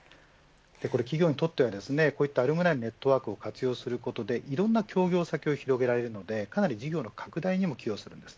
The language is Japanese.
企業にとっては、こういったアルムナイのネットワークを活用することでいろんな協業先を広げられるので事業の拡大にも寄与するんです。